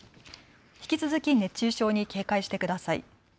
引き続き熱中症に警戒してください。